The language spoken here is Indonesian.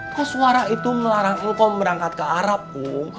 koswara itu melarang engkom berangkat ke arab kom